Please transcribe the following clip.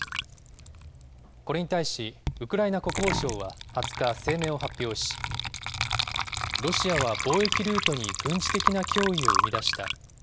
これに対し、ウクライナ国防省は２０日、声明を発表し、ロシアは貿易ルートに軍事的な脅威を生み出した。